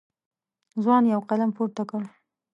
ځوان یو قلم پورته کړ.